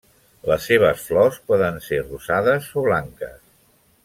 Les seves flors poden ser rosades o blanques.